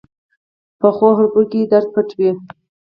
پخو حرفو کې درد پټ وي